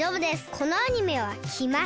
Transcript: このアニメはきます。